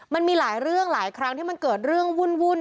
มันมีหลายเรื่องหลายครั้งที่มันเกิดเรื่องวุ่น